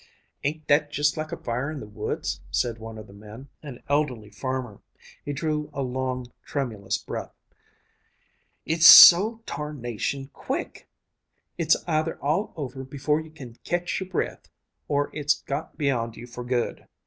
"Ain't that just like a fire in the woods?" said one of the men, an elderly farmer. He drew a long, tremulous breath. "It's so tarnation quick! It's either all over before you can ketch your breath, or it's got beyond you for good."